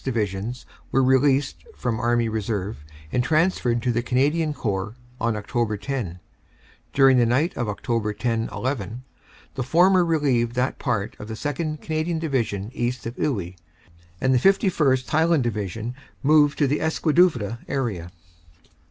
Divisions were released from Army Reserve and transferred to the Canadian Corps on Oct. 10. During the night of Oct. 10 11 the former relieved that part of the 2nd. Canadian Division east of Iwuy, and the 51st. (High land) Division moved to the Escaudoeuvres area.